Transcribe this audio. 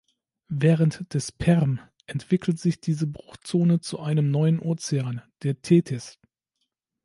Während des Perm entwickelt sich diese Bruchzone zu einem neuen Ozean, der Tethys.